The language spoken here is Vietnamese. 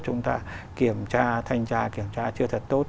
chúng ta kiểm tra thanh tra kiểm tra chưa thật tốt